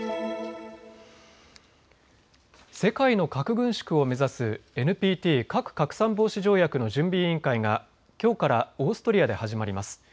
世界の核軍縮を目指すＮＰＴ・核拡散防止条約の準備委員会がきょうからオーストリアで始まります。